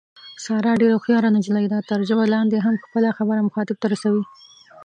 ساره ډېره هوښیاره نجیلۍ ده، تر ژبه لاندې هم خپله خبره مخاطب ته رسوي.